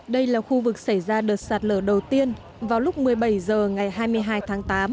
đây là khu vực xảy ra đợt sạt lở đầu tiên vào lúc một mươi bảy h ngày hai mươi hai tháng tám